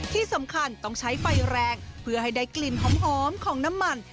ที่สำคัญต้องใช้ไฟแรงเพื่อให้ได้กลิ่นหอมของน้ำมัน